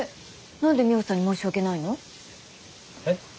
何でミホさんに申し訳ないの？え？